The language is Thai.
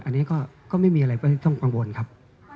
อันนี้ก็ไม่มีอะไรก็ต้องกังวลครับ